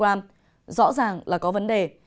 rõ ràng là có vấn đề